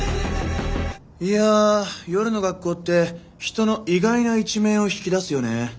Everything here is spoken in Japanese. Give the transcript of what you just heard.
いや夜の学校って人の意外な一面を引き出すよね。